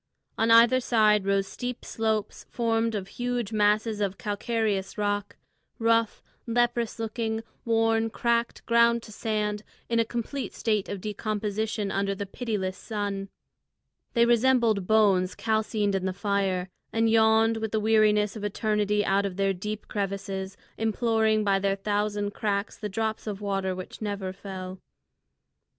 On either side rose steep slopes formed of huge masses of calcareous rock, rough, leprous looking, worn, cracked, ground to sand, in a complete state of decomposition under the pitiless sun. They resembled bones calcined in the fire, and yawned with the weariness of eternity out of their deep crevices, imploring by their thousand cracks the drop of water which never fell.